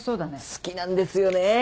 好きなんですよねぇ！